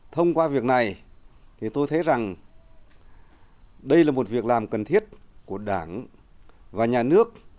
thông qua việc này thì tôi thấy rằng đây là một việc làm cần thiết của đảng và nhà nước